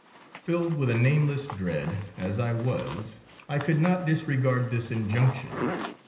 ' Filled with a nameless dread, as I was, I could not dis regard this injunction.